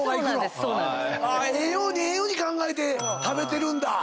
ええようにええように考えて食べてるんだ。